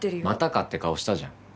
またかって顔したじゃん。